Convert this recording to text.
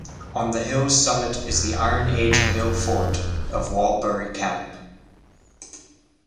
On the hill's summit is the Iron Age hill fort of Walbury Camp.